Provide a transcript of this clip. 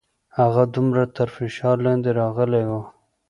هغه دومره تر فشار لاندې راغلې وه.